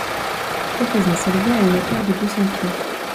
Quelques-uns s’élevaient à une hauteur de deux cents pieds.